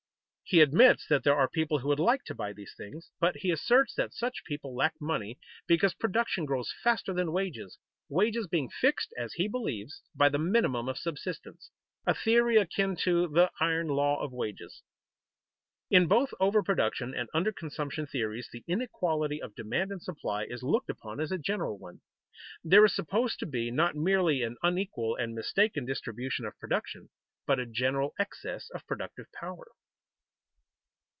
He admits that there are people who would like to buy these things, but he asserts that such people lack money because production grows faster than wages, wages being fixed, as he believes, by the minimum of subsistence a theory akin to the iron law of wages. In both over production and under consumption theories the inequality of demand and supply is looked upon as a general one. There is supposed to be not merely an unequal and mistaken distribution of production, but a general excess of productive power.